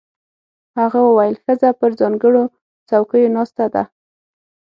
هغه وویل ښځه پر ځانګړو څوکیو ناسته ده.